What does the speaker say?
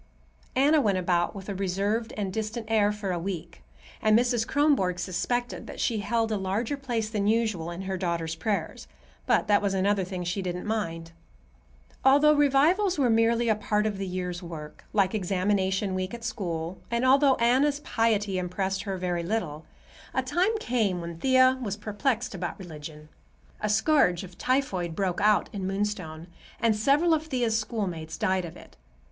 Anna went about with a reserved and distant air for a week, and Mrs. Kronborg suspected that she held a larger place than usual in her daughter's prayers; but that was another thing she didn't mind. Although revivals were merely a part of the year's work, like examination week at school, and although Anna's piety impressed her very little, a time came when Thea was perplexed about religion. A scourge of typhoid broke out in Moonstone and several of Thea's schoolmates died of it.